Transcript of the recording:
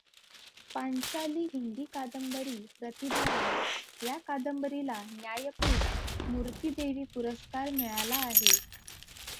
पांचाली हिंदी कादंबरी प्रतिभा राय या कादंबरीला ज्ञानपीठ मूर्ति देवी पुरस्कार मिळाला आहे.